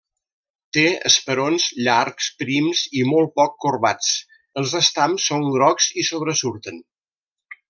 Té esperons llargs, prims i molt poc corbats, els estams són grocs i sobresurten.